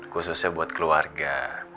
khususnya buat keluarga